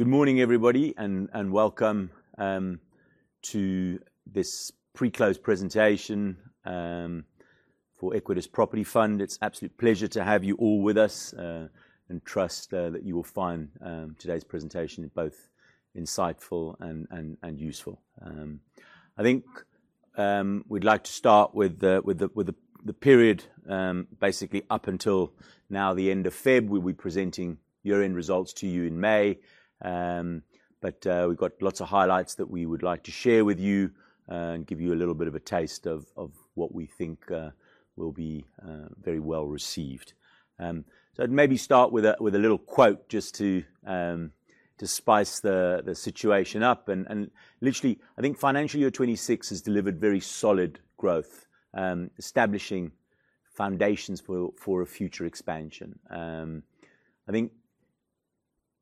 Good morning, everybody, and welcome to this pre-close presentation for Equites Property Fund. It's an absolute pleasure to have you all with us, and trust that you will find today's presentation both insightful and useful. I think we'd like to start with the period basically up until now, the end of February. We'll be presenting year-end results to you in May. We've got lots of highlights that we would like to share with you, and give you a little bit of a taste of what we think will be very well-received. I'd maybe start with a little quote just to spice the situation up and literally, I think financial year 2026 has delivered very solid growth, establishing foundations for a future expansion. I think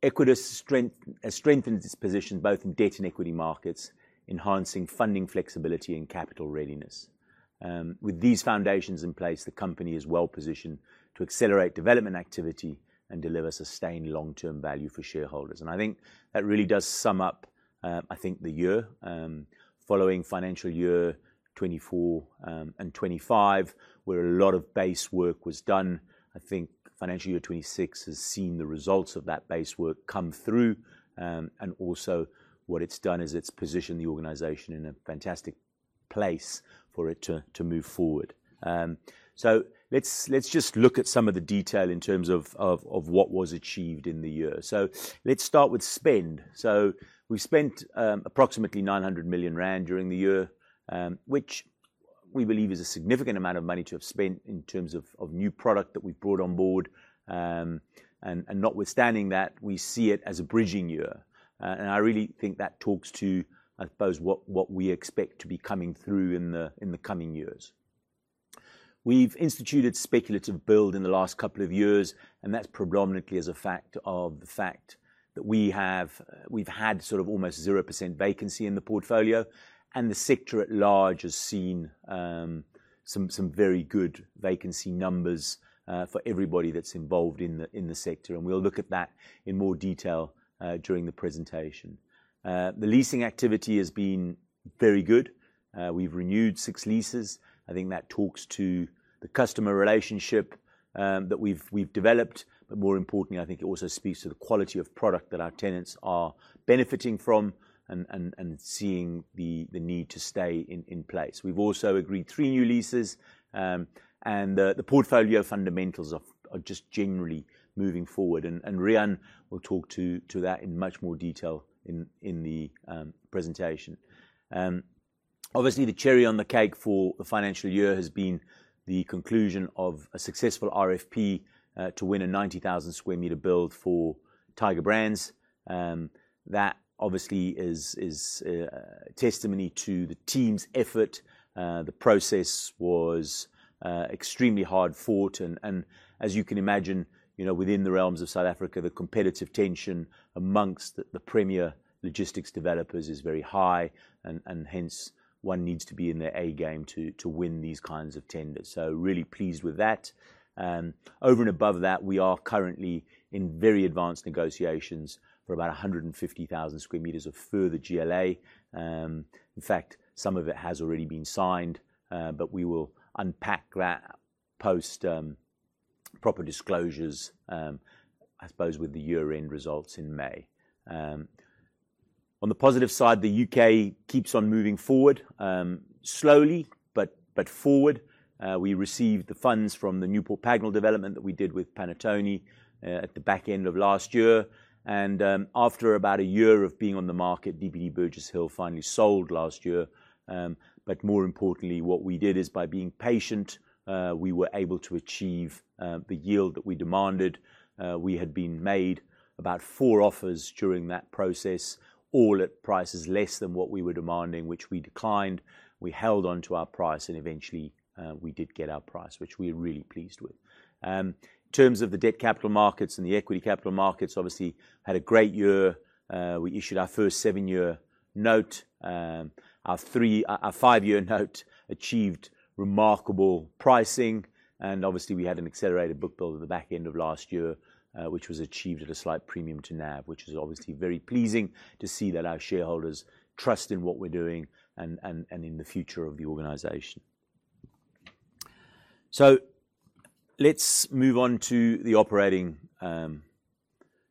Equites' strength has strengthened its position both in debt and equity markets, enhancing funding flexibility and capital readiness. With these foundations in place, the company is well-positioned to accelerate development activity and deliver sustained long-term value for shareholders. I think that really does sum up the year following financial year 2024 and 2025, where a lot of base work was done. I think financial year 2026 has seen the results of that base work come through, and also what it's done is it's positioned the organization in a fantastic place for it to move forward. Let's just look at some of the detail in terms of what was achieved in the year. Let's start with spend. We spent approximately 900 million rand during the year, which we believe is a significant amount of money to have spent in terms of new product that we've brought on board. Notwithstanding that, we see it as a bridging year. I really think that talks to, I suppose, what we expect to be coming through in the coming years. We've instituted speculative build in the last couple of years, and that's predominantly as a result of the fact that we've had sort of almost 0% vacancy in the portfolio, and the sector at large has seen some very good vacancy numbers for everybody that's involved in the sector, and we'll look at that in more detail during the presentation. The leasing activity has been very good. We've renewed six leases. I think that talks to the customer relationship that we've developed, but more importantly, I think it also speaks to the quality of product that our tenants are benefiting from and seeing the need to stay in place. We've also agreed three new leases, and the portfolio fundamentals are just generally moving forward and Riaan will talk to that in much more detail in the presentation. Obviously the cherry on the cake for the financial year has been the conclusion of a successful RFP to win a 90,000 sq m build for Tiger Brands. That obviously is testimony to the team's effort. The process was extremely hard-fought and as you can imagine, you know, within the realms of South Africa, the competitive tension amongst the premier logistics developers is very high and hence one needs to be in their A game to win these kinds of tenders. Really pleased with that. Over and above that, we are currently in very advanced negotiations for about 150,000 sq m of further GLA. In fact, some of it has already been signed, but we will unpack that post proper disclosures, I suppose with the year-end results in May. On the positive side, the U.K. keeps on moving forward, slowly, but forward. We received the funds from the Newport Pagnell development that we did with Panattoni, at the back end of last year and, after about a year of being on the market, DPD Burgess Hill finally sold last year. More importantly, what we did is by being patient, we were able to achieve the yield that we demanded. We had been made about four offers during that process, all at prices less than what we were demanding, which we declined. We held on to our price and eventually, we did get our price, which we're really pleased with. In terms of the debt capital markets and the equity capital markets, we obviously had a great year. We issued our first seven-year note. Our five-year note achieved remarkable pricing, and obviously we had an accelerated book build at the back end of last year, which was achieved at a slight premium to NAV, which is obviously very pleasing to see that our shareholders trust in what we're doing and in the future of the organization. Let's move on to the operating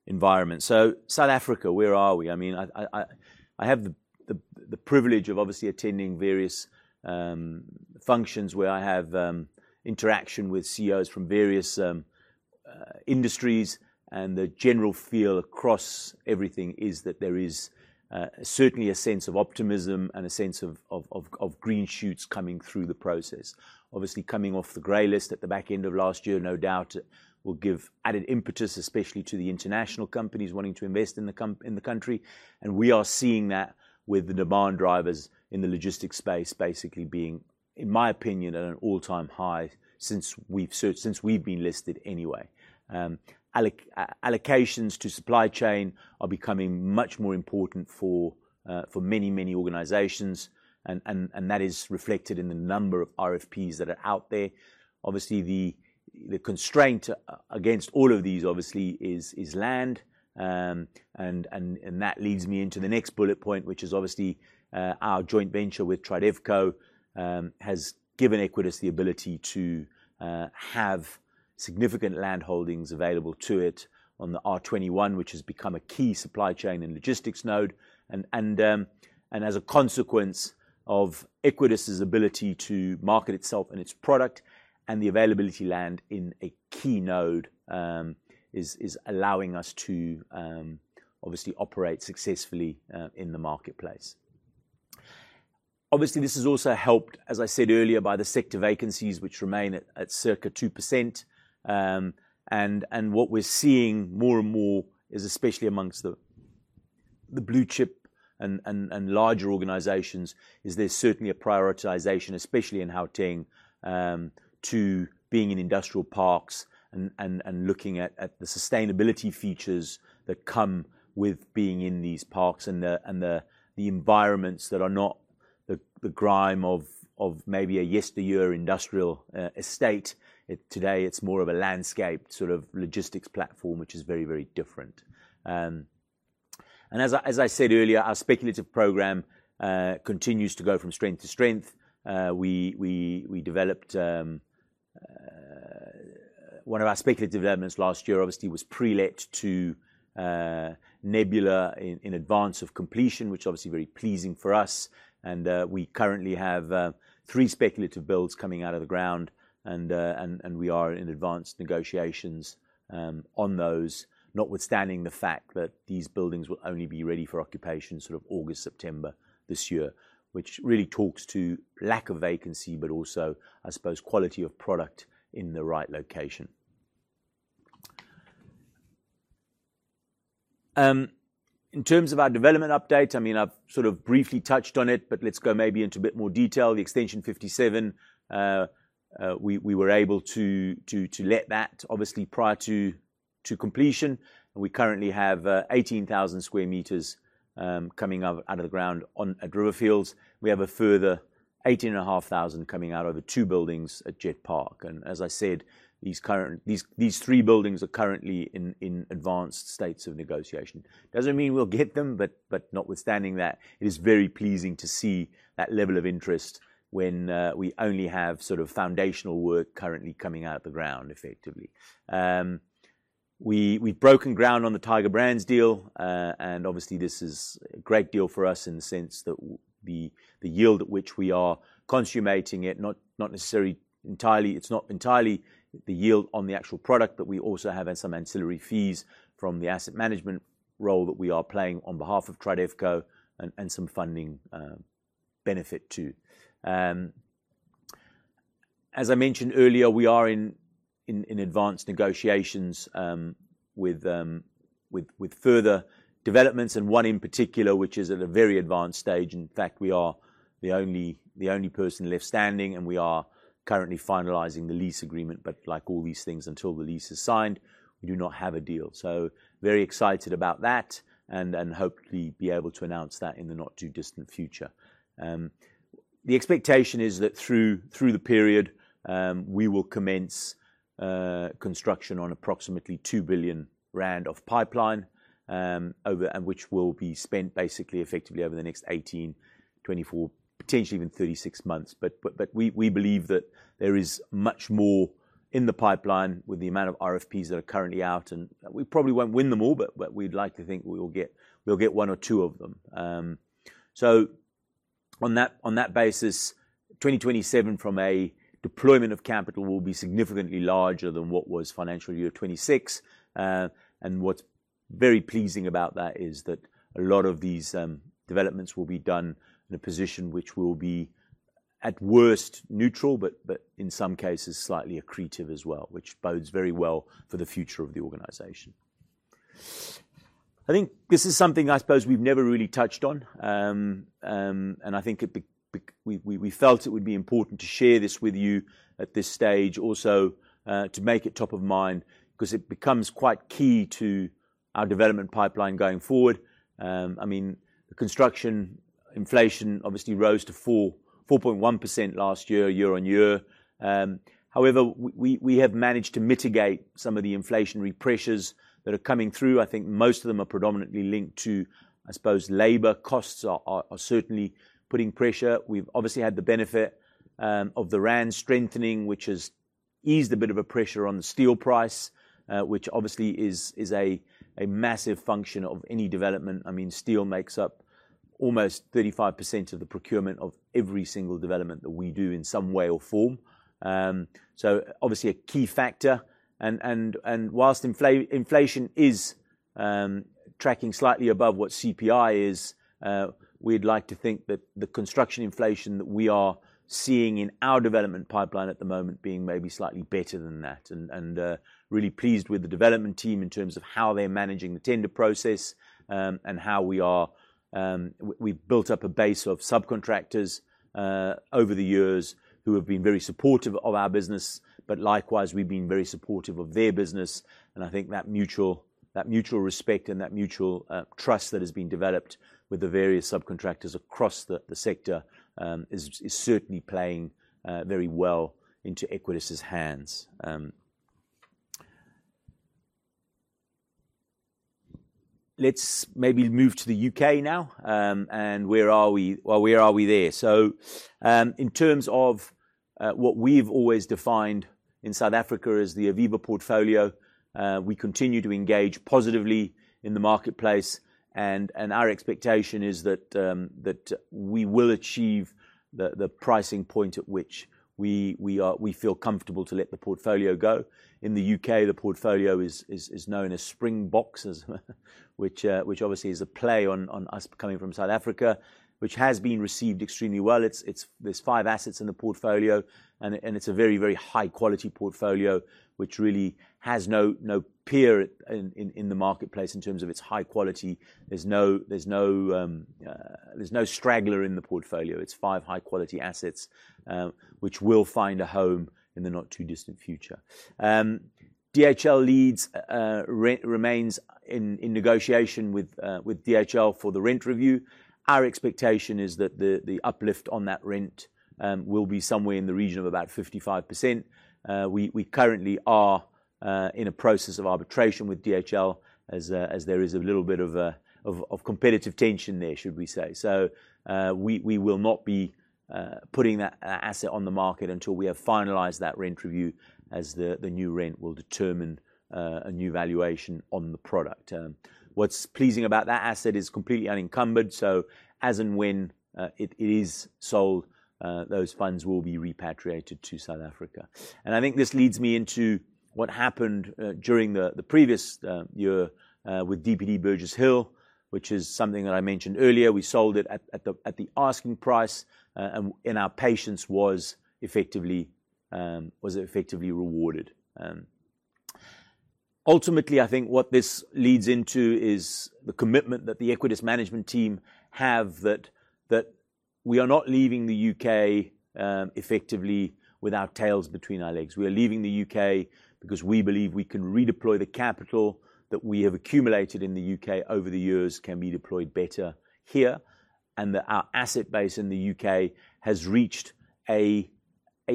environment. South Africa, where are we? I mean, I have the privilege of obviously attending various functions where I have interaction with CEOs from various industries and the general feel across everything is that there is certainly a sense of optimism and a sense of green shoots coming through the process. Obviously coming off the grey list at the back end of last year, no doubt will give added impetus, especially to the international companies wanting to invest in the country. We are seeing that with the demand drivers in the logistics space basically being, in my opinion, at an all-time high since we've been listed anyway. Allocations to supply chain are becoming much more important for many organizations and that is reflected in the number of RFPs that are out there. Obviously the constraint against all of these obviously is land. That leads me into the next bullet point, which is obviously our joint venture with TriDevCo has given Equites the ability to have significant land holdings available to it on the R21, which has become a key supply chain and logistics node. As a consequence of Equites's ability to market itself and its product and the availability of land in a key node is allowing us to obviously operate successfully in the marketplace. Obviously, this has also helped, as I said earlier, by the sector vacancies which remain at circa 2%. What we're seeing more and more is especially among the blue chip and larger organizations, is there's certainly a prioritization, especially in Gauteng, to being in industrial parks and looking at the sustainability features that come with being in these parks and the environments that are not the grime of maybe a yesteryear industrial estate. Today, it's more of a landscape sort of logistics platform, which is very different. As I said earlier, our speculative program continues to go from strength to strength. We developed one of our speculative developments last year obviously was pre-let to Nebula in advance of completion, which obviously very pleasing for us. We currently have three speculative builds coming out of the ground and we are in advanced negotiations on those, notwithstanding the fact that these buildings will only be ready for occupation sort of August, September this year, which really talks to lack of vacancy, but also, I suppose, quality of product in the right location. In terms of our development update, I mean, I've sort of briefly touched on it, but let's go maybe into a bit more detail. The extension fifty-seven we were able to let that obviously prior to completion. We currently have 18,000 sq m coming up out of the ground at Riverfields. We have a further 18,500 coming out of the two buildings at Jet Park. As I said, these three buildings are currently in advanced states of negotiation. It doesn't mean we'll get them, but notwithstanding that, it is very pleasing to see that level of interest when we only have sort of foundational work currently coming out of the ground effectively. We've broken ground on the Tiger Brands deal, and obviously this is a great deal for us in the sense that the yield at which we are consummating it, not necessarily entirely. It's not entirely the yield on the actual product, but we also have some ancillary fees from the asset management role that we are playing on behalf of TriDevCo and some funding benefit too. As I mentioned earlier, we are in advanced negotiations with further developments and one in particular, which is at a very advanced stage. In fact, we are the only person left standing, and we are currently finalizing the lease agreement. Like all these things, until the lease is signed, we do not have a deal. Very excited about that and hopefully be able to announce that in the not-too-distant future. The expectation is that through the period, we will commence construction on approximately 2 billion rand of pipeline, over... Which will be spent basically effectively over the next 18, 24, potentially even 36 months. But we believe that there is much more in the pipeline with the amount of RFPs that are currently out, and we probably won't win them all, but we'd like to think we'll get one or two of them. So on that basis, FY 2027 from a deployment of capital will be significantly larger than what was FY 2026. What's very pleasing about that is that a lot of these developments will be done in a position which will be at worst neutral, but in some cases slightly accretive as well, which bodes very well for the future of the organization. I think this is something I suppose we've never really touched on. I think we felt it would be important to share this with you at this stage also to make it top of mind because it becomes quite key to our development pipeline going forward. I mean, construction inflation obviously rose to 4.1% last year year-on-year. However, we have managed to mitigate some of the inflationary pressures that are coming through. I think most of them are predominantly linked to, I suppose, labor costs are certainly putting pressure. We've obviously had the benefit of the rand strengthening, which has eased a bit of a pressure on the steel price, which obviously is a massive function of any development. I mean, steel makes up almost 35% of the procurement of every single development that we do in some way or form. Obviously a key factor and whilst inflation is tracking slightly above what CPI is, we'd like to think that the construction inflation that we are seeing in our development pipeline at the moment being maybe slightly better than that and really pleased with the development team in terms of how they're managing the tender process, and how we are. We've built up a base of subcontractors over the years who have been very supportive of our business, but likewise, we've been very supportive of their business, and I think that mutual respect and that mutual trust that has been developed with the various subcontractors across the sector is certainly playing very well into Equites' hands. Let's maybe move to the UK now. Where are we? Well, where are we there? In terms of what we've always defined in South Africa as the Aviva portfolio, we continue to engage positively in the marketplace, and our expectation is that we will achieve the pricing point at which we feel comfortable to let the portfolio go. In the U.K., the portfolio is known as Springboks which obviously is a play on us coming from South Africa, which has been received extremely well. It's there are five assets in the portfolio and it's a very high quality portfolio which really has no peer in the marketplace in terms of its high quality. There's no straggler in the portfolio. It's five high quality assets which will find a home in the not-too-distant future. DHL Leeds remains in negotiation with DHL for the rent review. Our expectation is that the uplift on that rent will be somewhere in the region of about 55%. We currently are in a process of arbitration with DHL as there is a little bit of competitive tension there, should we say. We will not be putting that asset on the market until we have finalized that rent review as the new rent will determine a new valuation on the product. What's pleasing about that asset is completely unencumbered, so as and when it is sold, those funds will be repatriated to South Africa. I think this leads me into what happened during the previous year with DPD Burgess Hill, which is something that I mentioned earlier. We sold it at the asking price, and our patience was effectively rewarded. Ultimately I think what this leads into is the commitment that the Equites management team have that we are not leaving the U.K., effectively without tails between our legs. We are leaving the U.K. because we believe we can redeploy the capital that we have accumulated in the U.K. over the years can be deployed better here, and that our asset base in the U.K. has reached a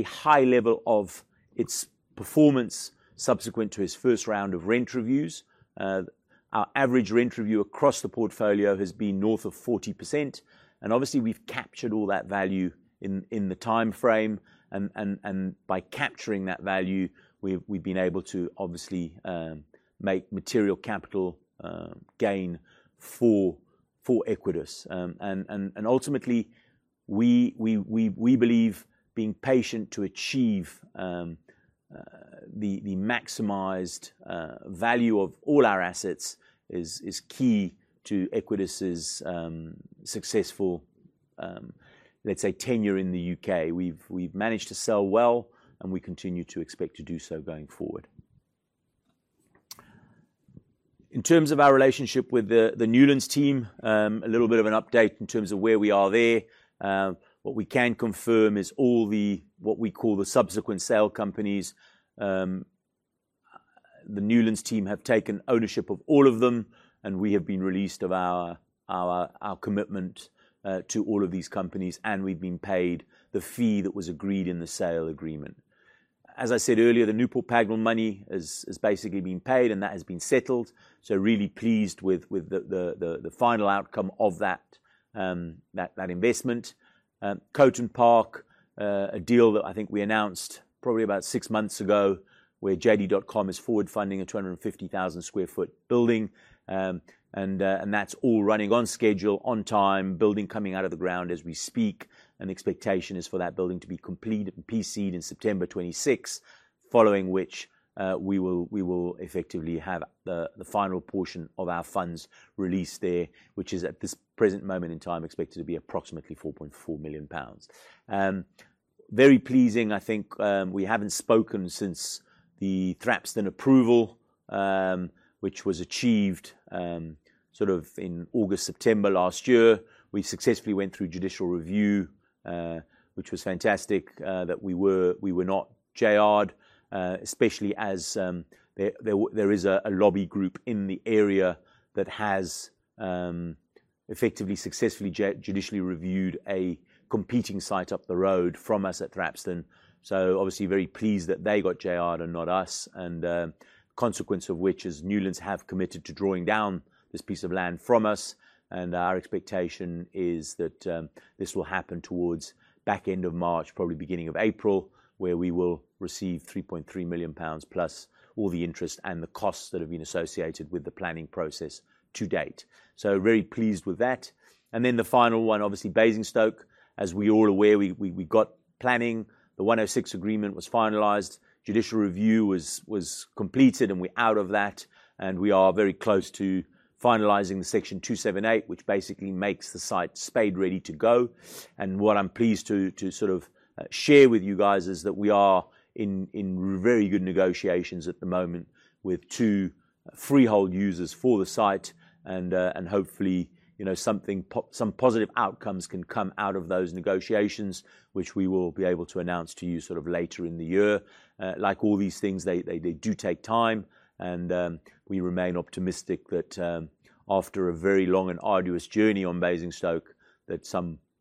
high level of its performance subsequent to its first round of rent reviews. Our average rent review across the portfolio has been north of 40%, and obviously we've captured all that value in the timeframe and by capturing that value, we've been able to obviously make material capital gain for Equites. Ultimately, we believe being patient to achieve the maximized value of all our assets is key to Equites' successful, let's say, tenure in the U.K. We've managed to sell well, and we continue to expect to do so going forward. In terms of our relationship with the Newlands team, a little bit of an update in terms of where we are there. What we can confirm is all the what we call the Subsequent Sale Companies, the Newlands team have taken ownership of all of them, and we have been released of our commitment to all of these companies, and we've been paid the fee that was agreed in the sale agreement. As I said earlier, the Newport Pagnell money has basically been paid and that has been settled. Really pleased with the final outcome of that investment. Coton Park, a deal that I think we announced probably about six months ago, where JD.com is forward funding a 250,000 sq ft building. That's all running on schedule, on time, building coming out of the ground as we speak. Expectation is for that building to be completed and PC'd in September 2026, following which, we will effectively have the final portion of our funds released there, which is at this present moment in time expected to be approximately 4.4 million pounds. Very pleasing, I think. We haven't spoken since the Thrapston approval, which was achieved sort of in August, September last year. We successfully went through judicial review, which was fantastic that we were not JR'd, especially as there is a lobby group in the area that has effectively successfully judicially reviewed a competing site up the road from us at Thrapston. Obviously very pleased that they got JR'd and not us, and consequence of which is Newlands have committed to drawing down this piece of land from us. Our expectation is that this will happen towards back end of March, probably beginning of April, where we will receive 3.3 million pounds plus all the interest and the costs that have been associated with the planning process to date. Very pleased with that. The final one, obviously Basingstoke, as we're all aware, we got planning. The Section 106 agreement was finalized. Judicial review was completed and we're out of that, and we are very close to finalizing the Section 278, which basically makes the site shovel ready to go. What I'm pleased to sort of share with you guys is that we are in very good negotiations at the moment with two freehold users for the site and hopefully, you know, some positive outcomes can come out of those negotiations, which we will be able to announce to you sort of later in the year. Like all these things, they do take time and we remain optimistic that after a very long and arduous journey on Basingstoke, that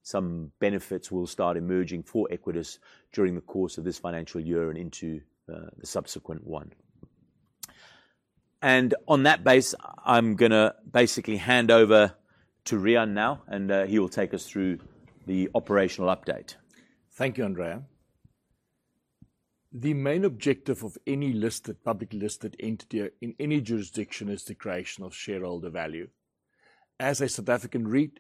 some benefits will start emerging for Equites during the course of this financial year and into the subsequent one. On that basis, I'm gonna basically hand over to Riaan now, and he will take us through the operational update. Thank you, Andrea. The main objective of any listed, publicly listed entity in any jurisdiction is the creation of shareholder value. As a South African REIT,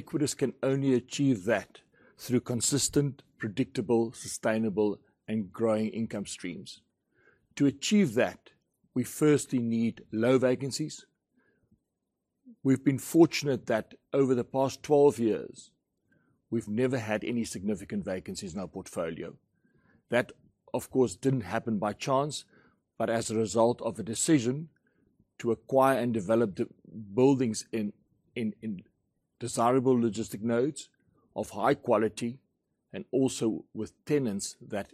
Equites can only achieve that through consistent, predictable, sustainable, and growing income streams. To achieve that, we firstly need low vacancies. We've been fortunate that over the past 12 years, we've never had any significant vacancies in our portfolio. That, of course, didn't happen by chance, but as a result of a decision to acquire and develop the buildings in desirable logistics nodes of high quality, and also with tenants that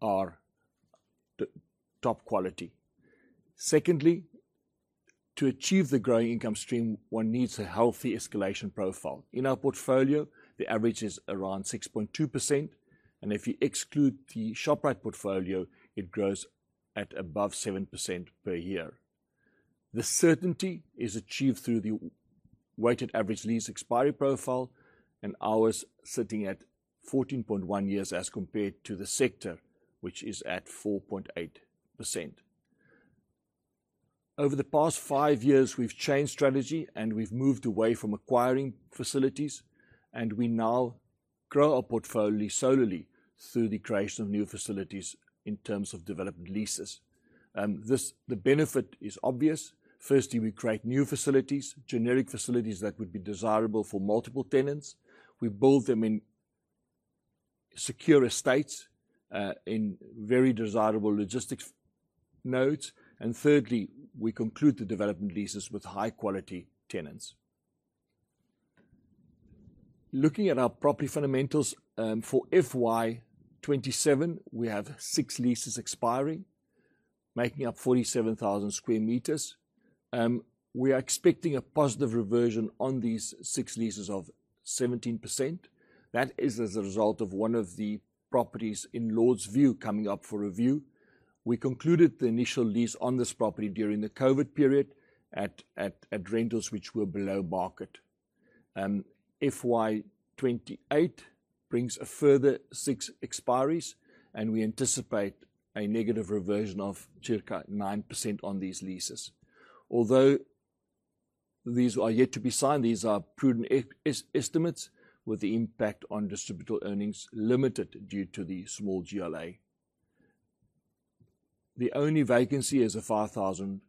are top quality. Secondly, to achieve the growing income stream, one needs a healthy escalation profile. In our portfolio, the average is around 6.2%, and if you exclude the Shoprite portfolio, it grows at above 7% per year. The certainty is achieved through the weighted average lease expiry profile and ours sitting at 14.1 years as compared to the sector, which is at 4.8 years. Over the past 5 years, we've changed strategy, and we've moved away from acquiring facilities, and we now grow our portfolio solely through the creation of new facilities in terms of development leases. The benefit is obvious. Firstly, we create new facilities, generic facilities that would be desirable for multiple tenants. We build them in secure estates, in very desirable logistics nodes. Thirdly, we conclude the development leases with high-quality tenants. Looking at our property fundamentals, for FY 2027, we have six leases expiring, making up 47,000 sq m. We are expecting a positive reversion on these six leases of 17%. That is as a result of one of the properties in Lords View coming up for review. We concluded the initial lease on this property during the COVID period at rentals which were below market. FY 2028 brings a further six expiries, and we anticipate a negative reversion of circa 9% on these leases. Although these are yet to be signed, these are prudent estimates, with the impact on distributable earnings limited due to the small GLA. The only vacancy is a 5,000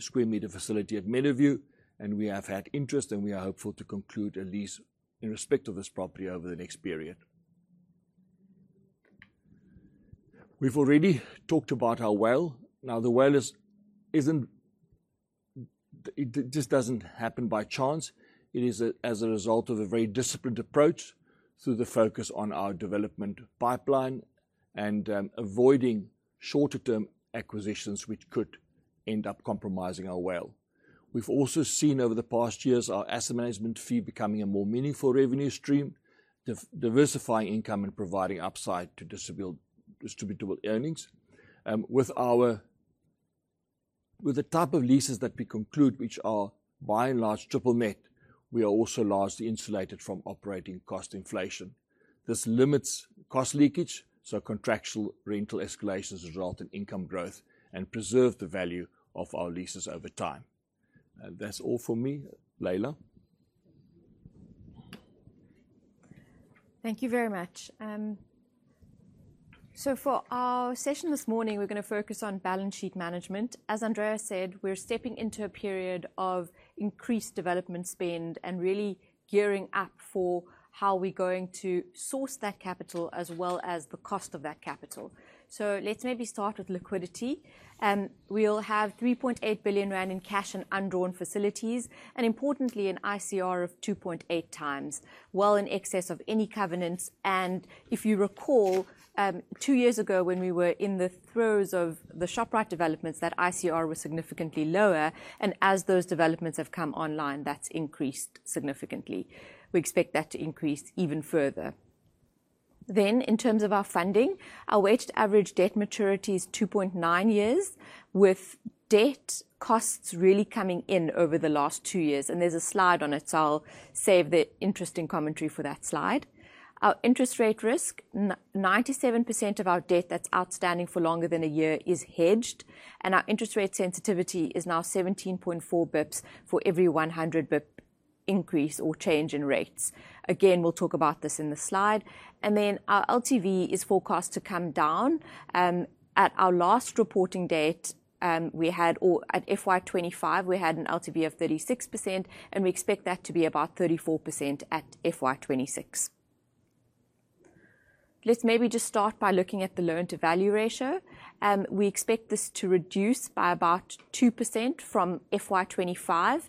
sq m facility at Meadowview, and we have had interest, and we are hopeful to conclude a lease in respect of this property over the next period. We've already talked about our WALE. Now, the WALE is. It just doesn't happen by chance. It is, as a result of a very disciplined approach through the focus on our development pipeline and avoiding shorter-term acquisitions which could end up compromising our WALE. We've also seen over the past years our asset management fee becoming a more meaningful revenue stream, diversifying income and providing upside to distributable earnings. With the type of leases that we conclude, which are by and large triple net, we are also largely insulated from operating cost inflation. This limits cost leakage, so contractual rental escalations result in income growth and preserve the value of our leases over time. That's all for me. Laila. Thank you very much. For our session this morning, we're gonna focus on balance sheet management. As Andrea said, we're stepping into a period of increased development spend and really gearing up for how we're going to source that capital, as well as the cost of that capital. Let's maybe start with liquidity. We'll have 3.8 billion rand in cash and undrawn facilities, and importantly, an ICR of 2.8 times, well in excess of any covenants. If you recall, 2 years ago when we were in the throes of the Shoprite developments, that ICR was significantly lower, and as those developments have come online, that's increased significantly. We expect that to increase even further. In terms of our funding, our weighted average debt maturity is 2.9 years, with debt costs really coming in over the last 2 years, and there's a slide on it, so I'll save the interesting commentary for that slide. Our interest rate risk, 97% of our debt that's outstanding for longer than a year is hedged, and our interest rate sensitivity is now 17.4 basis points for every 100 basis point increase or change in rates. Again, we'll talk about this in the slide. Our LTV is forecast to come down. At our last reporting date, or at FY 2025, we had an LTV of 36%, and we expect that to be about 34% at FY 2026. Let's maybe just start by looking at the loan-to-value ratio. We expect this to reduce by about 2% from FY 2025.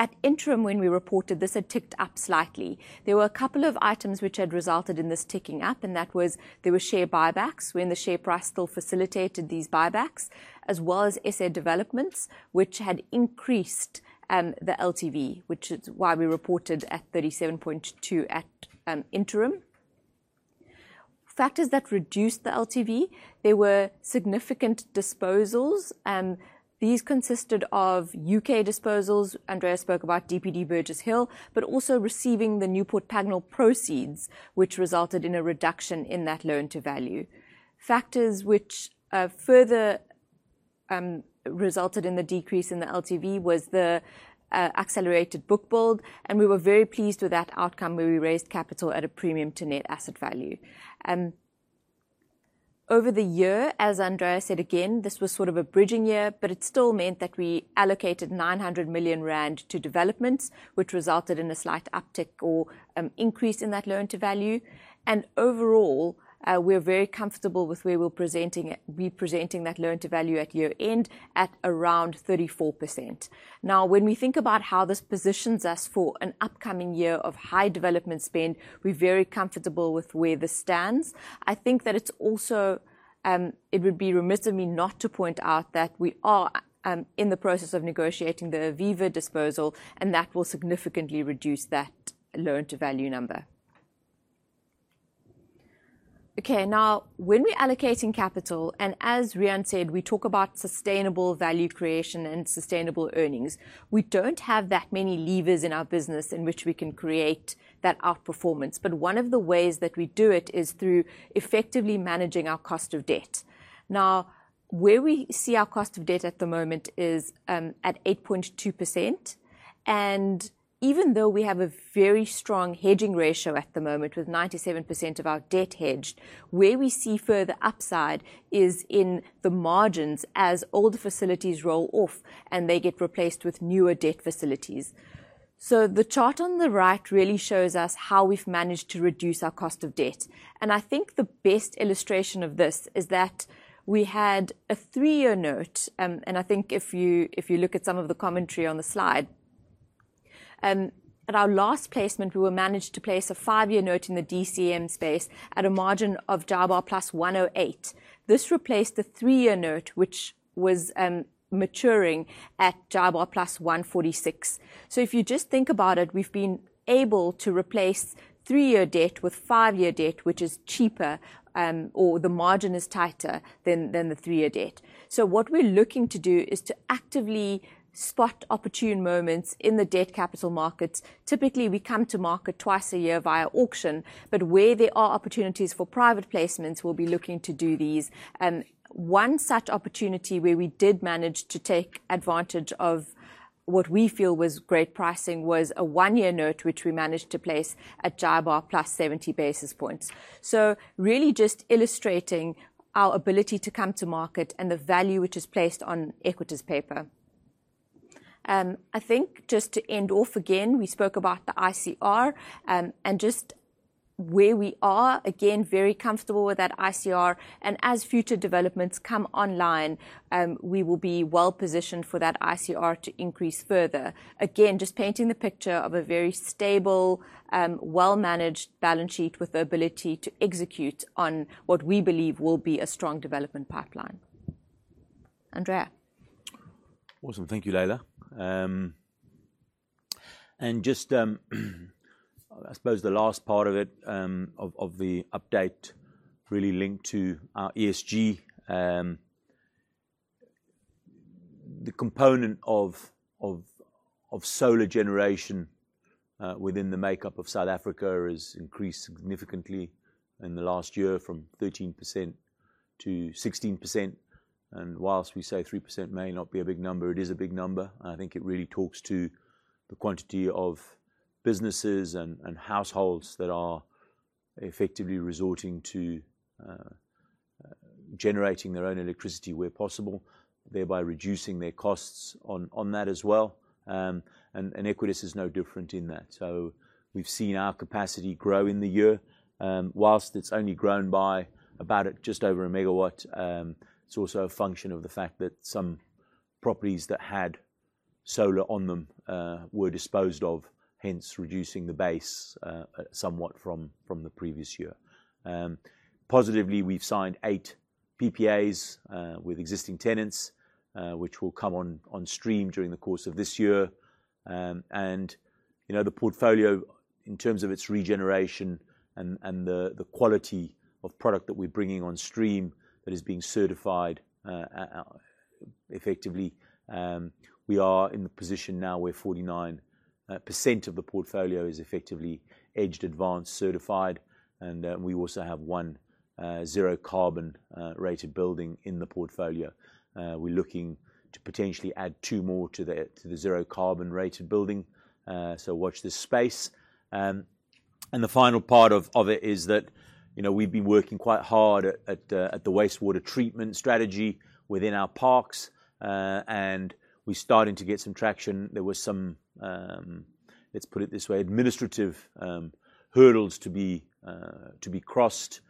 At interim, when we reported, this had ticked up slightly. There were a couple of items which had resulted in this ticking up, and that was share buybacks when the share price still facilitated these buybacks, as well as SA developments, which had increased the LTV, which is why we reported at 37.2% at interim. Factors that reduced the LTV were significant disposals. These consisted of U.K. disposals. Andrea spoke about DPD Burgess Hill, but also receiving the Newport Pagnell proceeds, which resulted in a reduction in that loan to value. Factors which further resulted in the decrease in the LTV was the accelerated book build, and we were very pleased with that outcome where we raised capital at a premium to net asset value. Over the year, as Andrea said, again, this was sort of a bridging year, but it still meant that we allocated 900 million rand to developments, which resulted in a slight uptick or increase in that loan to value. Overall, we're very comfortable with where we're presenting that loan to value at year-end at around 34%. Now, when we think about how this positions us for an upcoming year of high development spend, we're very comfortable with where this stands. I think that it would be remiss of me not to point out that we are in the process of negotiating the Aviva disposal, and that will significantly reduce that loan to value number. Okay. Now, when we're allocating capital, and as Rian said, we talk about sustainable value creation and sustainable earnings. We don't have that many levers in our business in which we can create that outperformance, but one of the ways that we do it is through effectively managing our cost of debt. Now, where we see our cost of debt at the moment is at 8.2%, and even though we have a very strong hedging ratio at the moment, with 97% of our debt hedged, where we see further upside is in the margins as older facilities roll off, and they get replaced with newer debt facilities. The chart on the right really shows us how we've managed to reduce our cost of debt, and I think the best illustration of this is that we had a 3-year note, and I think if you look at some of the commentary on the slide. At our last placement, we were managed to place a five-year note in the DCM space at a margin of JIBAR plus 108. This replaced the three-year note, which was maturing at JIBAR plus 146. If you just think about it, we've been able to replace three-year debt with five-year debt, which is cheaper, or the margin is tighter than the three-year debt. What we're looking to do is to actively spot opportune moments in the debt capital markets. Typically, we come to market twice a year via auction, but where there are opportunities for private placements, we'll be looking to do these. One such opportunity where we did manage to take advantage of what we feel was great pricing was a one-year note, which we managed to place at JIBAR plus 70 basis points. Really just illustrating our ability to come to market and the value which is placed on Equites paper. I think just to end off again, we spoke about the ICR, and just where we are, again, very comfortable with that ICR, and as future developments come online, we will be well-positioned for that ICR to increase further. Again, just painting the picture of a very stable, well-managed balance sheet with the ability to execute on what we believe will be a strong development pipeline. Andrea. Awesome. Thank you, Laila. I suppose the last part of it, of the update really linked to our ESG. The component of solar generation within the makeup of South Africa has increased significantly in the last year from 13% to 16%. While we say 3% may not be a big number, it is a big number. I think it really talks to the quantity of businesses and households that are effectively resorting to generating their own electricity where possible, thereby reducing their costs on that as well. Equites is no different in that. We've seen our capacity grow in the year. While it's only grown by about just over 1 MW, it's also a function of the fact that some properties that had solar on them were disposed of, hence reducing the base somewhat from the previous year. Positively, we've signed eight PPAs with existing tenants, which will come on stream during the course of this year. You know, the portfolio, in terms of its regeneration and the quality of product that we're bringing on stream that is being certified, effectively, we are in the position now where 49% of the portfolio is effectively EDGE Advanced certified, and we also have one Zero Carbon rated building in the portfolio. We're looking to potentially add two more to the Zero Carbon rated building. Watch this space. The final part of it is that, you know, we've been working quite hard at the wastewater treatment strategy within our parks, and we're starting to get some traction. There was some, let's put it this way, administrative hurdles to be crossed,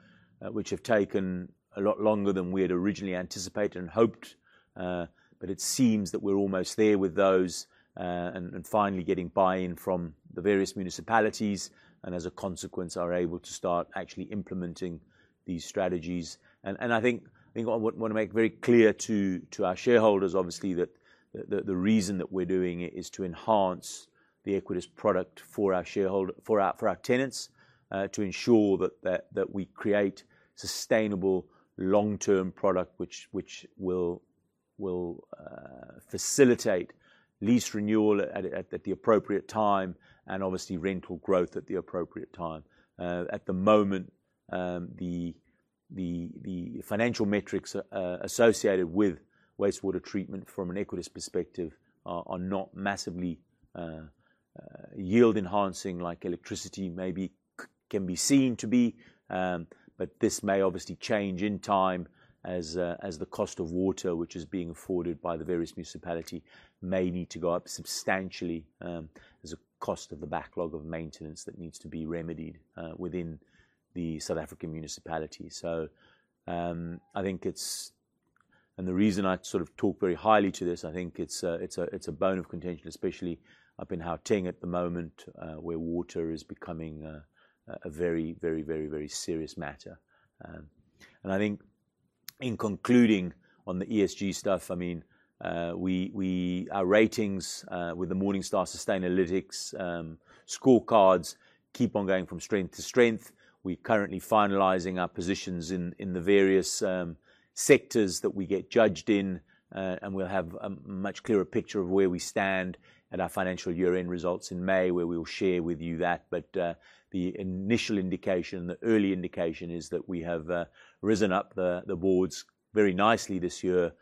which have taken a lot longer than we had originally anticipated and hoped. But it seems that we're almost there with those, and finally getting buy-in from the various municipalities and as a consequence are able to start actually implementing these strategies. I think what I would wanna make very clear to our shareholders obviously that the reason that we're doing it is to enhance the Equites product for our shareholder... For our tenants, to ensure that we create sustainable long-term product which will facilitate lease renewal at the appropriate time and obviously rental growth at the appropriate time. At the moment, the financial metrics associated with wastewater treatment from an Equites perspective are not massively yield enhancing like electricity maybe can be seen to be. This may obviously change in time as the cost of water, which is being afforded by the various municipality, may need to go up substantially, as a cost of the backlog of maintenance that needs to be remedied, within the South African municipality. I think it's The reason I sort of talk very highly to this, I think it's a bone of contention, especially up in Gauteng at the moment, where water is becoming a very serious matter. I think in concluding on the ESG stuff, I mean, our ratings with the Morningstar Sustainalytics scorecards keep on going from strength to strength. We're currently finalizing our positions in the various sectors that we get judged in. We'll have a much clearer picture of where we stand at our financial year-end results in May, where we'll share with you that. The initial indication, the early indication is that we have risen up the boards very nicely this year.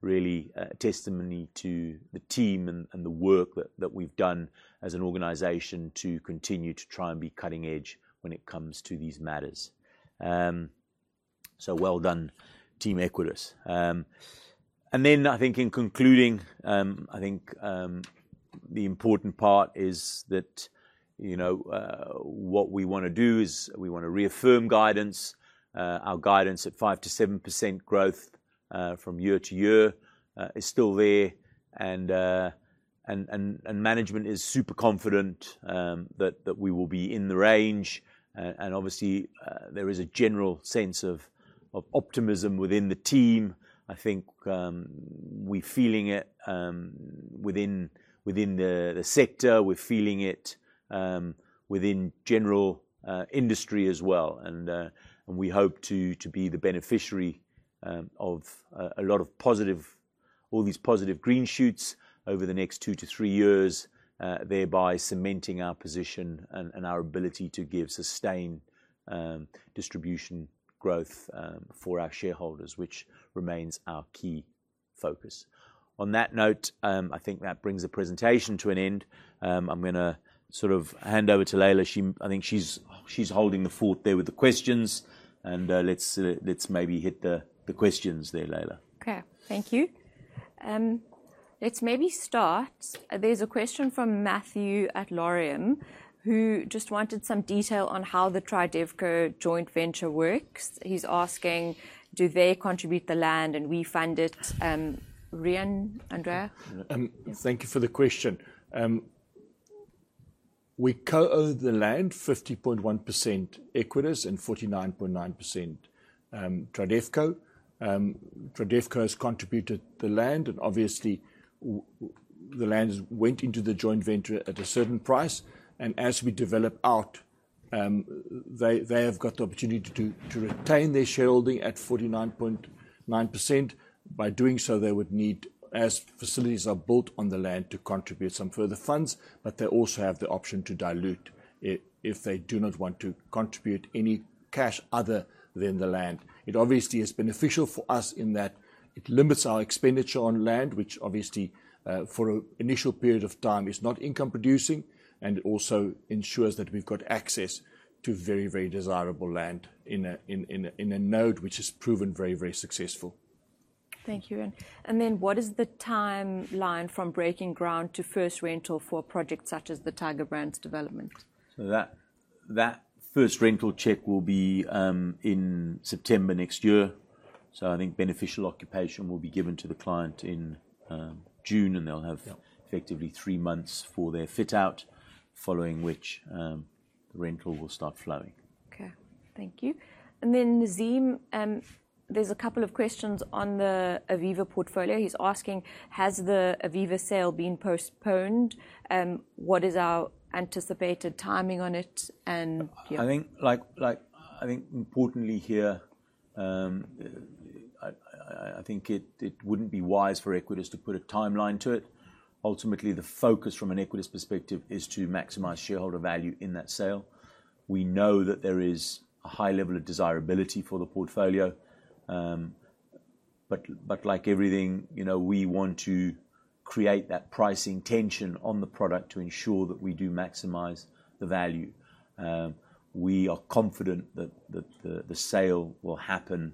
Really, testimony to the team and the work that we've done as an organization to continue to try and be cutting edge when it comes to these matters. Well done, Team Equites. I think in concluding, the important part is that, you know, what we wanna do is we wanna reaffirm guidance. Our guidance at 5%-7% growth, from year to year, is still there and management is super confident, that we will be in the range. Obviously, there is a general sense of optimism within the team. I think, we're feeling it within the sector, we're feeling it within general industry as well. We hope to be the beneficiary of all these positive green shoots over the next 2-3 years, thereby cementing our position and our ability to give sustained distribution growth for our shareholders, which remains our key focus. On that note, I think that brings the presentation to an end. I'm gonna sort of hand over to Laila. I think she's holding the fort there with the questions. Let's maybe hit the questions there, Laila. Okay. Thank you. Let's maybe start. There's a question from Matthew at Laurium, who just wanted some detail on how the TriDevCo joint venture works. He's asking, do they contribute the land and we fund it? Riaan, Andrea? Thank you for the question. We co-own the land, 50.1% Equites and 49.9% TriDevCo. TriDevCo has contributed the land and obviously the land went into the joint venture at a certain price. As we develop out, they have got the opportunity to retain their shareholding at 49.9%. By doing so, they would need, as facilities are built on the land, to contribute some further funds, but they also have the option to dilute if they do not want to contribute any cash other than the land. It obviously is beneficial for us in that it limits our expenditure on land, which obviously, for an initial period of time is not income producing, and it also ensures that we've got access to very, very desirable land in a node which has proven very, very successful. Thank you, Riaan. What is the timeline from breaking ground to first rental for a project such as the Tiger Brands development? That first rental check will be in September next year. I think beneficial occupation will be given to the client in June, and they'll have- Yeah Effectively 3 months for their fit out, following which, the rental will start flowing. Okay. Thank you. Nazeem, there's a couple of questions on the Aviva portfolio. He's asking, has the Aviva sale been postponed? What is our anticipated timing on it and yeah. I think importantly here, it wouldn't be wise for Equites to put a timeline to it. Ultimately, the focus from an Equites perspective is to maximize shareholder value in that sale. We know that there is a high level of desirability for the portfolio. Like everything, you know, we want to create that pricing tension on the product to ensure that we do maximize the value. We are confident that the sale will happen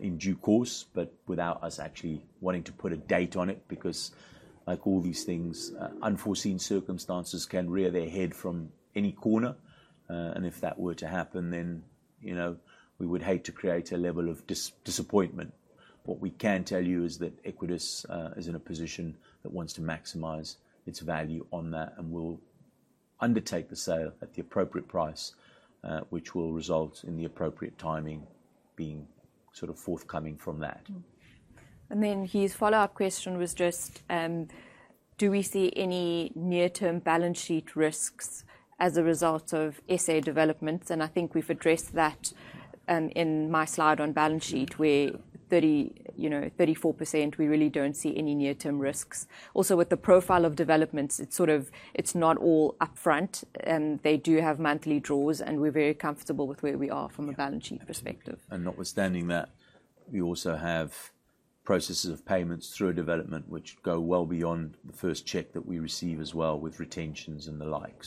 in due course, but without us actually wanting to put a date on it, because like all these things, unforeseen circumstances can rear their head from any corner. If that were to happen, then, you know, we would hate to create a level of disappointment. What we can tell you is that Equites is in a position that wants to maximize its value on that and will undertake the sale at the appropriate price, which will result in the appropriate timing being sort of forthcoming from that. Then his follow-up question was just: Do we see any near-term balance sheet risks as a result of SA developments? I think we've addressed that in my slide on balance sheet where 34%, you know, we really don't see any near-term risks. Also, with the profile of developments, it's sort of, it's not all upfront. They do have monthly draws, and we're very comfortable with where we are from a balance sheet perspective. Notwithstanding that, we also have processes of payments through a development which go well beyond the first check that we receive as well with retentions and the like.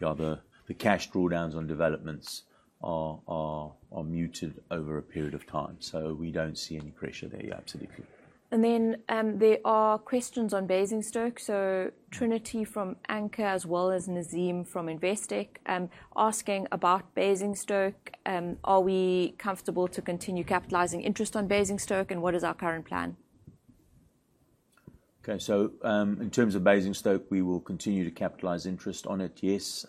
Ja, the cash drawdowns on developments are muted over a period of time, so we don't see any pressure there. Yeah, absolutely. There are questions on Basingstoke. Trinity from Anchor, as well as Nazeem from Investec, asking about Basingstoke. Are we comfortable to continue capitalizing interest on Basingstoke, and what is our current plan? Okay. In terms of Basingstoke, we will continue to capitalize interest on it, yes.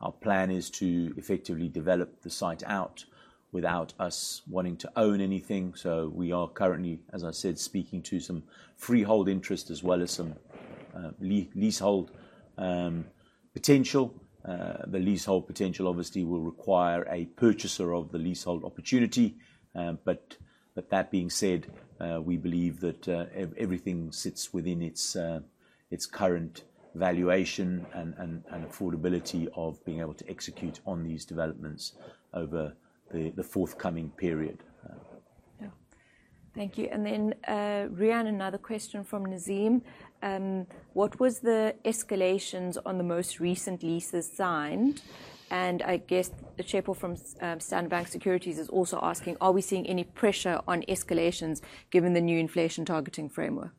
Our plan is to effectively develop the site out without us wanting to own anything. We are currently, as I said, speaking to some freehold interest as well as some leasehold potential. The leasehold potential obviously will require a purchaser of the leasehold opportunity. That being said, we believe that everything sits within its current valuation and affordability of being able to execute on these developments over the forthcoming period. Yeah. Thank you. Then, Riaan, another question from Nazeem. What was the escalations on the most recent leases signed? I guess Thabo from SBG Securities is also asking, are we seeing any pressure on escalations given the new inflation targeting framework?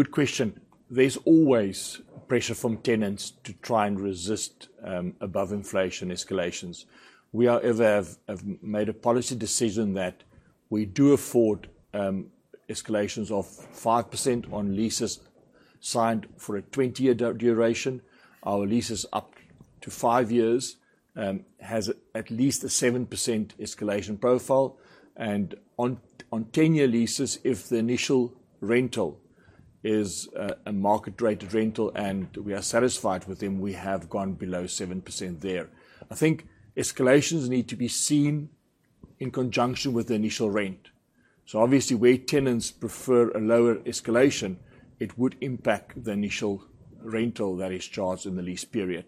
Good question. There's always pressure from tenants to try and resist above-inflation escalations. We have made a policy decision that we do afford escalations of 5% on leases signed for a 20-year duration. Our leases up to 5 years has at least a 7% escalation profile. On 10-year leases, if the initial rental is a market-rated rental, and we are satisfied with them, we have gone below 7% there. I think escalations need to be seen in conjunction with the initial rent. Obviously, where tenants prefer a lower escalation, it would impact the initial rental that is charged in the lease period.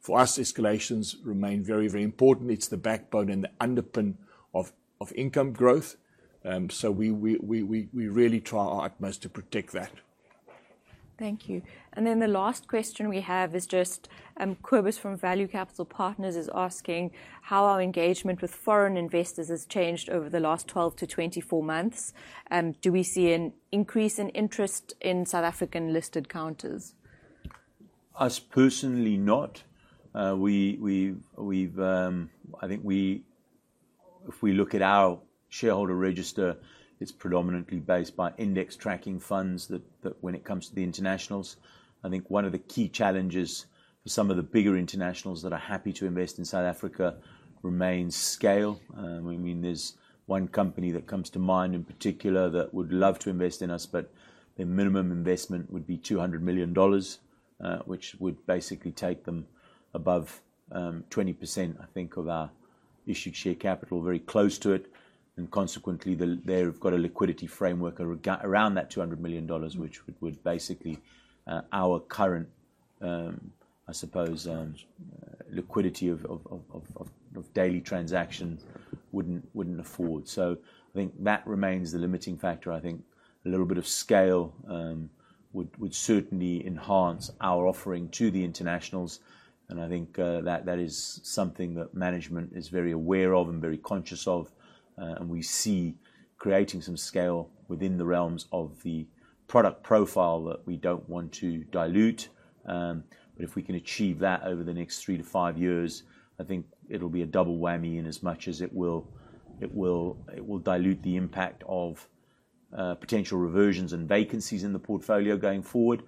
For us, escalations remain very, very important. It's the backbone and the underpin of income growth. We really try our utmost to protect that. Thank you. Then the last question we have is just Kobus from Value Capital Partners is asking how our engagement with foreign investors has changed over the last 12-24 months. Do we see an increase in interest in South African-listed counters? Us personally, not. I think if we look at our shareholder register, it's predominantly backed by index tracking funds that when it comes to the internationals, I think one of the key challenges for some of the bigger internationals that are happy to invest in South Africa remains scale. I mean, there's one company that comes to mind in particular that would love to invest in us, but their minimum investment would be $200 million, which would basically take them above 20%, I think, of our issued share capital, very close to it. Consequently, they've got a liquidity framework around that $200 million, which would basically our current, I suppose, liquidity of daily transactions wouldn't afford. I think that remains the limiting factor. I think a little bit of scale would certainly enhance our offering to the internationals, and I think that is something that management is very aware of and very conscious of. We see creating some scale within the realms of the product profile that we don't want to dilute. If we can achieve that over the next three to five years, I think it'll be a double whammy in as much as it will dilute the impact of potential reversions and vacancies in the portfolio going forward.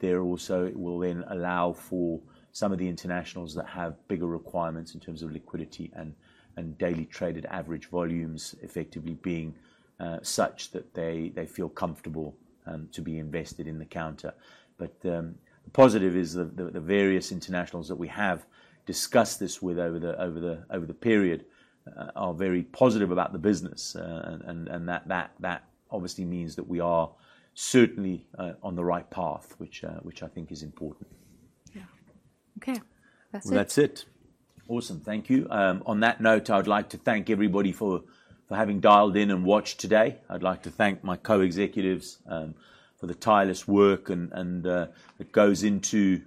There also, it will then allow for some of the internationals that have bigger requirements in terms of liquidity and daily traded average volumes effectively being such that they feel comfortable to be invested in the counter. The positive is the various internationals that we have discussed this with over the period are very positive about the business. That obviously means that we are certainly on the right path, which I think is important. Yeah. Okay. That's it. That's it. Awesome. Thank you. On that note, I would like to thank everybody for having dialed in and watched today. I'd like to thank my co-executives for the tireless work and that goes into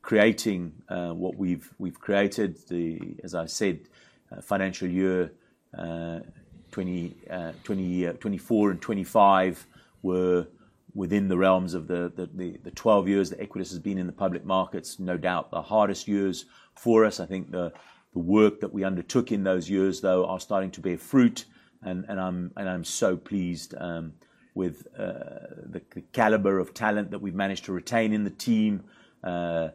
creating what we've created. As I said, financial year 2024 and 2025 were within the realms of the 12 years that Equites has been in the public markets. No doubt the hardest years for us. I think the work that we undertook in those years, though, are starting to bear fruit and I'm so pleased with the caliber of talent that we've managed to retain in the team. The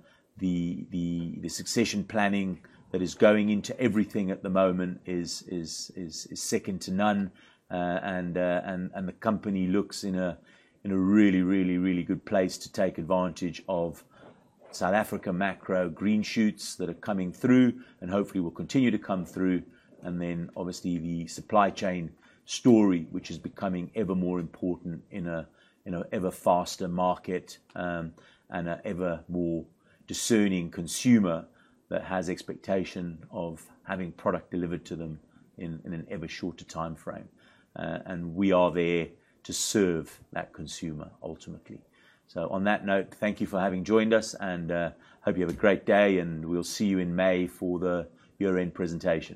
succession planning that is going into everything at the moment is second to none. The company looks in a really good place to take advantage of South African macro green shoots that are coming through and hopefully will continue to come through. Obviously the supply chain story, which is becoming ever more important in an ever faster market, and an ever more discerning consumer that has expectation of having product delivered to them in an ever shorter timeframe. We are there to serve that consumer ultimately. On that note, thank you for having joined us, and hope you have a great day, and we'll see you in May for the year-end presentation.